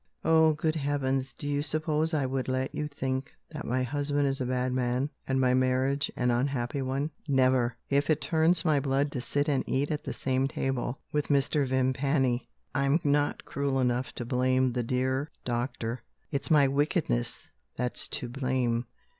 Oh, good Heavens, do you suppose I would let you think that my husband is a bad man, and my marriage an unhappy one? Never! If it turns my blood to sit and eat at the same table with Mr. Vimpany, I'm not cruel enough to blame the dear doctor. It's my wickedness that's to blame.